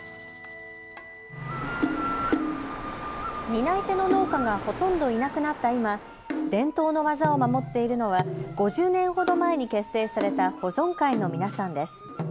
担い手の農家がほとんどいなくなった今、伝統の技を守っているのは５０年ほど前に結成された保存会の皆さんです。